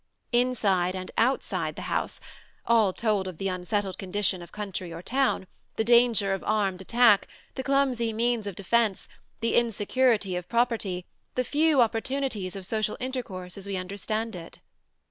Inside and outside the house, all told of the unsettled condition of country or town, the danger of armed attack, the clumsy means of defence, the insecurity of property, the few opportunities of social intercourse as we understand it.